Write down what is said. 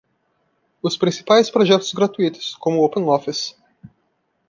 Os principais projetos gratuitos, como o OpenOffice.